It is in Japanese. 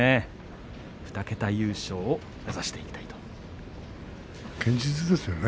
２桁優勝を目指していきたいということですね。